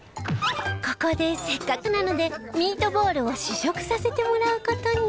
ここでせっかくなのでミートボールを試食させてもらう事に。